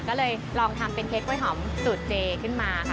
ก็เลยลองทำเป็นเค้กกล้วยหอมสูตรเจขึ้นมาค่ะ